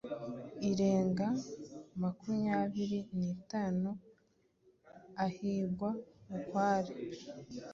irenga makumyabiri nitanu ahigwa bukware